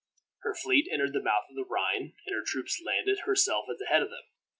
Her fleet entered the mouth of the Rhine, and her troops landed, herself at the head of them.